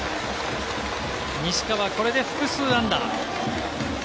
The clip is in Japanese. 西川、これで複数安打。